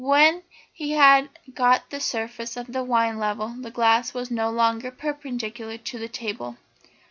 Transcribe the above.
When he had got the surface of the wine level the glass was no longer perpendicular to the table.